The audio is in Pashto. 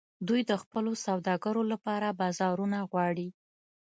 دوی د خپلو سوداګرو لپاره بازارونه غواړي